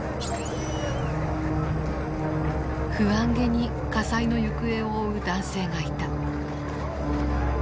不安げに火災の行方を追う男性がいた。